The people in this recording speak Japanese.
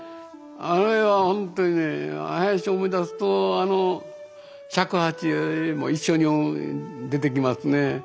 あれはほんとに林を思い出すとあの尺八も一緒に出てきますね。